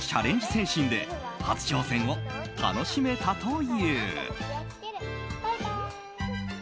精神で初挑戦を楽しめたという。